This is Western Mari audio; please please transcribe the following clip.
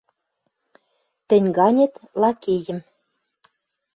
Тӹнь ганет лакейым